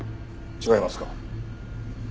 違います。